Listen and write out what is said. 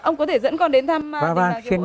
ông có thể dẫn con đến thăm địa phương không ạ